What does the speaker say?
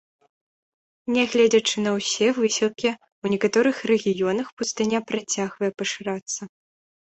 Нягледзячы на ўсе высілкі, у некаторых рэгіёнах пустыня працягвае пашырацца.